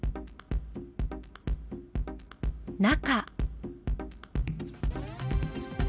中。